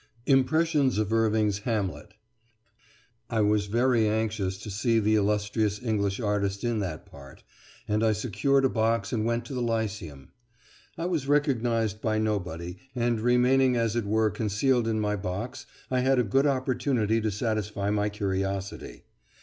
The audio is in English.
IMPRESSIONS OF IRVING'S "HAMLET" I was very anxious to see the illustrious English artist in that part, and I secured a box and went to the Lyceum. I was recognised by nobody, and remaining as it were concealed in my box, I had a good opportunity to satisfy my curiosity.